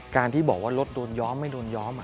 ที่บอกว่ารถโดนย้อมไม่โดนย้อม